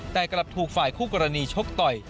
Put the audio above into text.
แต่กลับถูกฝ่ายคู่กรณีชกต่อย